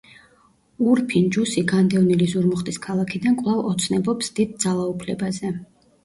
ურფინ ჯუსი, განდევნილი ზურმუხტის ქალაქიდან, კვლავ ოცნებობს დიდ ძალაუფლებაზე.